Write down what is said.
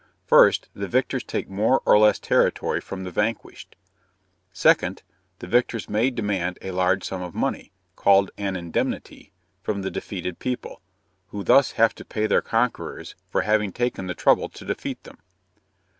First, the victors take more or less territory from the vanquished; second, the victors may demand a large sum of money, called an indemnity, from the defeated people, who thus have to pay their conquerors for having taken the trouble to defeat them.